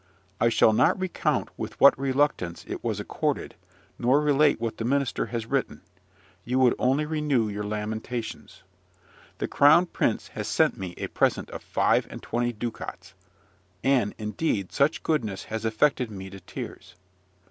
I shall not recount with what reluctance it was accorded, nor relate what the minister has written: you would only renew your lamentations. The crown prince has sent me a present of five and twenty ducats; and, indeed, such goodness has affected me to tears.